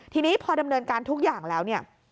ทีนี้พอดำเนินการทุกอย่างแล้วเนี่ย